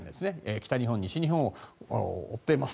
北日本、西日本を覆っています。